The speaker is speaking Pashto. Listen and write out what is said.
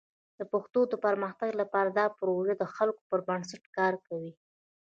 د پښتو د پرمختګ لپاره دا پروژه د خلکو پر بنسټ کار کوي.